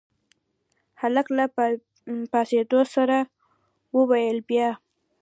هلک له پاڅېدو سره وويل بيا.